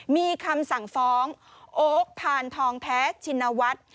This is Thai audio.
มีคำสั่งฟ้องโอ๊คพานทองแท้ชินวัฒน์